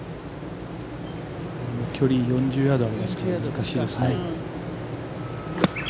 距離４０ヤードありますから、難しいですね。